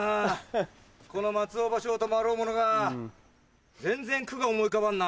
この松尾芭蕉ともあろう者が全然句が思い浮かばんな。